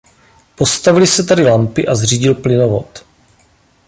Postavily se tady lampy a zřídil plynovod.